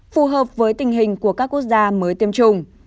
phù hợp với tình hình của các quốc gia mới tiêm chủng